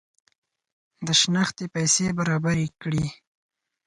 د شنختې پیسې برابري کړي.